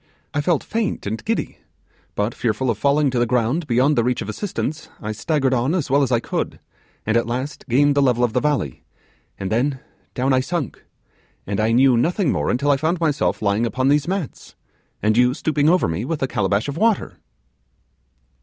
I felt faint and giddy; but, fearful of falling to the ground beyond the reach of assistance, I staggered on as well as I could, and at last gained the level of the valley, and then down I sank; and I knew nothing more until I found myself lying upon these mats, and you stooping over me with the calabash of water.